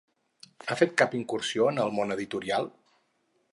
Ha fet cap incursió en el món editorial?